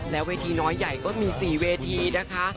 แล้วเวทีน้อยใหญ่ก็มีสี่เวทีนะคะ